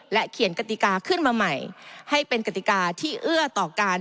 เขียนกติกาขึ้นมาใหม่ให้เป็นกติกาที่เอื้อต่อการ